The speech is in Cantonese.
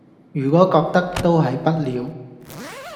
如果覺得都係不了